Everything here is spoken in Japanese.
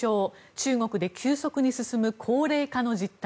中国で急速に進む高齢化の実態。